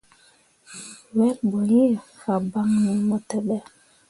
Wel ɓo iŋ fabaŋni mo teɓe.